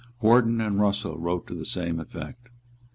Wharton and Russell wrote to the same effect.